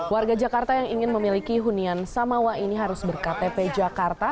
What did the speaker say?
warga jakarta yang ingin memiliki hunian samawa ini harus berktp jakarta